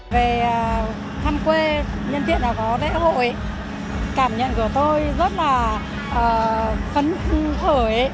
về thăm quê nhân tiện là có đế hội cảm nhận của tôi rất là phấn khởi